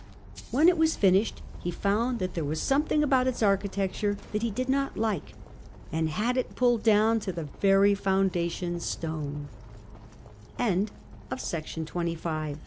When it was finished, he found that there was something about its architecture that he did not like, and had it pulled down to the very foundatio